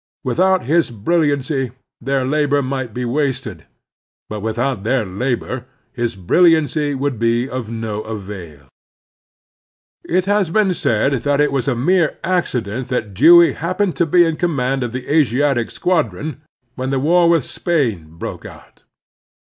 Without his brilliancy their labor might be wasted, but without their labor his bril liancy would be of no avail. It has been said that it was a mere accident that Dewey happened to be in command of the Asiatic Squadron when the war with Spain broke out.